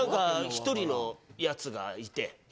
１人のやつがいて。